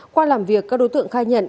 qua làm việc các đối tượng khai nhận